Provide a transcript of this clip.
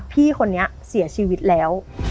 พี่คนนี้เสียชีวิตแล้ว